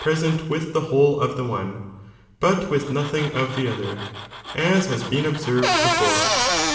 sent with the whole of the one, but with nothing; t vide pre of the other, as has been observed before